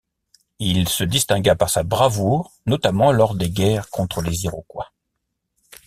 Il se distingua par sa bravoure notamment lors des guerres contre les Iroquois.